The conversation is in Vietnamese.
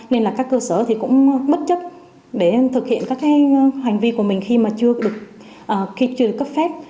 nên các cơ sở cũng bất chấp để thực hiện các hành vi của mình khi chưa được cấp phép